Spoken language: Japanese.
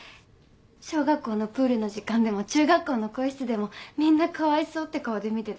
小学校のプールの時間でも中学校の更衣室でもみんなかわいそうって顔で見てた。